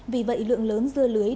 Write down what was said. vì vậy lượng lớn dưa lưới